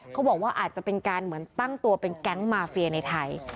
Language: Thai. เขาบอกว่าอาจจะเป็นการเหมือนตั้งตัวเป็นแก๊งมาเฟียในไทย